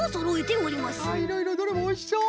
あいろいろどれもおいしそう！